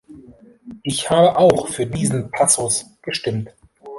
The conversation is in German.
Ich habe auch für diesen Passus gestimmt.